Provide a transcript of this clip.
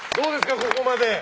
ここまで。